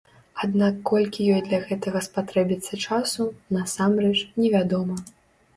Аднак колькі ёй для гэтага спатрэбіцца часу, насамрэч, невядома.